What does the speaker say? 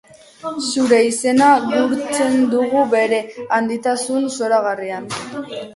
Zure izena gurtzen dugu bere handitasun zoragarrian.